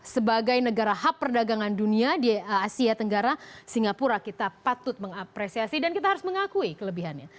sebagai negara hub perdagangan dunia di asia tenggara singapura kita patut mengapresiasi dan kita harus mengakui kelebihannya